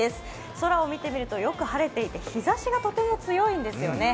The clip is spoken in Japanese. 空を見てみるとよく晴れていて日ざしがとても強いんですよね。